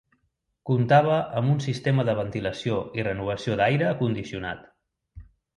Comptava amb un sistema de ventilació i renovació d'aire condicionat.